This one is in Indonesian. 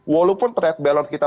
walaupun trade balance kita